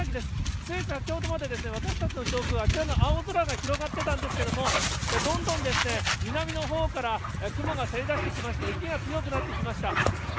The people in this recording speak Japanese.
つい先ほどまで私どもの上空、青空が広がってたんですけども、どんどん南のほうから雲がせり出してきまして、雪が強くなってきました。